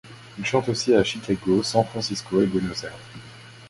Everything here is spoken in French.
Il chante aussi à Chicago, San Francisco, et Buenos Aires.